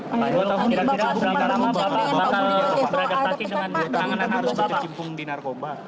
pak herwi kalau tidak tidak selama lamanya bapak bakal beragetasi dengan tanganan harus bercimpung di narkoba